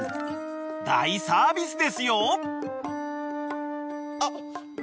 ［大サービスですよ］